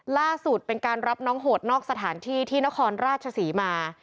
ล่าสุดเป็นการรับน้องโหดนอกสถานที่ที่นครราชศรีมา